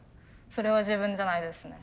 それは自分じゃないですね。